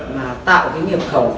là tạo cái nghiệp khẩu